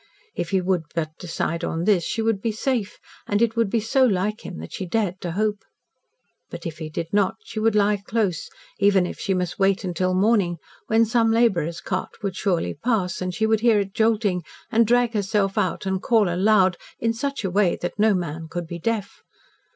If he would but decide on this, she would be safe and it would be so like him that she dared to hope. But, if he did not, she would lie close, even if she must wait until morning, when some labourer's cart would surely pass, and she would hear it jolting, and drag herself out, and call aloud in such a way that no man could be deaf.